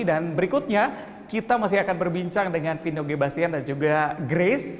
dan berikutnya kita masih akan berbincang dengan vino g bastian dan juga grace